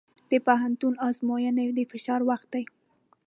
د پوهنتون ازموینې د فشار وخت دی.